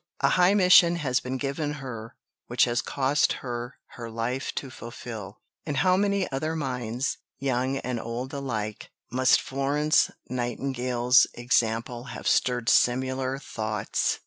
A high mission has been given her which has cost her her life to fulfil." In how many other minds, young and old alike, must Florence Nightingale's example have stirred similar thoughts!